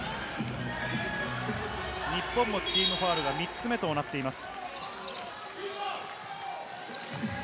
日本のチームファウルが３つとなっています。